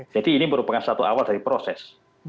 jadi ini merupakan satu awal dari proses